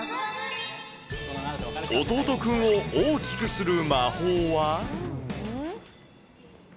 弟くんを大きくする魔法は？